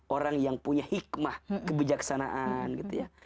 orang yang punya hikmah kebijaksanaan gitu ya